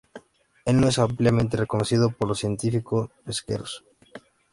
Él no es ampliamente reconocido por los científicos pesqueros.